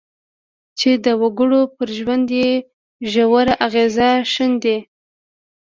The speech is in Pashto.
چې د وګړو پر ژوند یې ژور اغېز ښندي.